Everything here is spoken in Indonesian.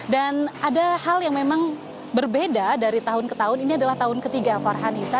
dan ada hal yang memang berbeda dari tahun ke tahun ini adalah tahun ketiga farhanisa